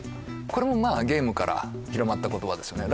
これもまあゲームから広まった言葉ですよね